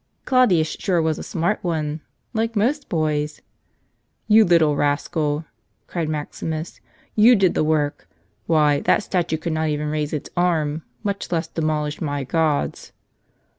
Claudius sure was a smart one — like most boys! "You little rascal!" cried Maximus, "you did the work! Why, that statue could not even raise its arm, much less demolish my gods."